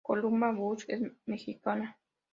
Columba Bush es mexicana.